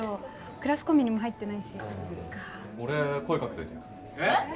クラスコミュにも入ってないしそっか俺声かけといたよえっ！？